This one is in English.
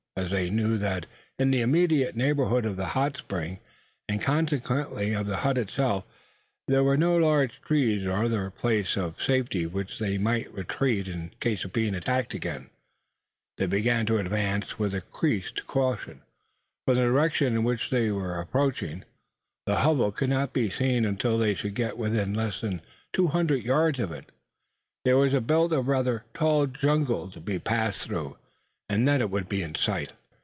As they knew that in the immediate neighbourhood of the hot spring, and consequently of the hut itself, there were no large trees or other place of safety to which they might retreat in case of being again attacked, they began to advance with increased caution. From the direction in which they were approaching, the hovel could not be seen until they should get within less than two hundred yards of it. There was a belt of rather tall jungle to be passed through, and then it would be in sight.